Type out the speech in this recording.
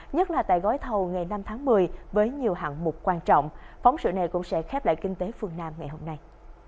nhất là tại gói thầu ngày năm tháng một mươi với nhiều hạng mục quan trọng phóng sự này cũng sẽ khép lại kinh tế phương nam ngày hôm nay